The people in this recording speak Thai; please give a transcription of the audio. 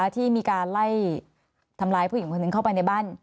ที่มีการไล่ทำร้ายผู้หญิงคนหนึ่งเข้าไปในบ้าน